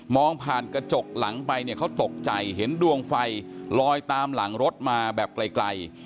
ผ่านกระจกหลังไปเนี่ยเขาตกใจเห็นดวงไฟลอยตามหลังรถมาแบบไกล